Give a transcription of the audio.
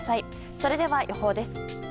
それでは予報です。